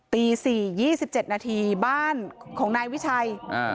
ตี๔๒๗นาทีบ้านของนายวิชัย